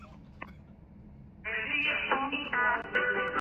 რამდენიმე საუკუნის შემდეგ დრაკულა ტოვებს ტრანსილვანიას და ინგლისში მიემგზავრება.